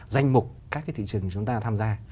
danh mục các cái thị trường của chúng ta tham gia